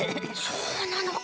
そうなのか！